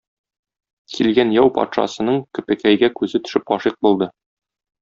Килгән яу патшасының Көпекәйгә күзе төшеп гашыйк булды.